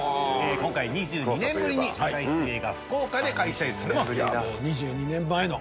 今回２２年ぶりに世界水泳が福岡で開催されます。